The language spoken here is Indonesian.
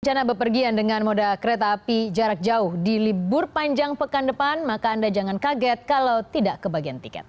rencana bepergian dengan moda kereta api jarak jauh di libur panjang pekan depan maka anda jangan kaget kalau tidak kebagian tiket